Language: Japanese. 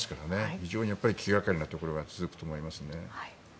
非常に気掛かりなところが続くと思います。